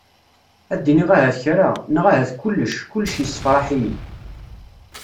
Ad iniɣ ahat kra! Neɣ ahat kulec, kulec yessefraḥ-iyi.